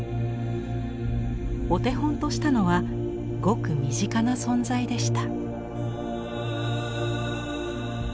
お手本としたのはごく身近な存在でした。